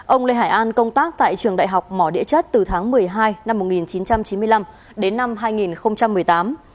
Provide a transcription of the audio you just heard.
ông lê hải an công tác tại trường đại học mỏ địa chất từ tháng một mươi hai năm một nghìn chín trăm chín mươi năm đến năm hai nghìn một mươi tám